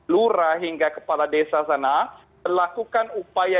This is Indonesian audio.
lura hingga kepala desa sana